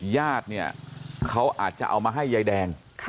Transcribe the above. ญาติเนี่ยเขาอาจจะเอามาให้ยายแดง